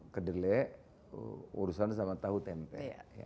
kedele urusan sama tahu tempe